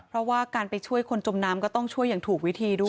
เพราะว่าการไปช่วยคนจมน้ำก็ต้องช่วยอย่างถูกวิธีด้วย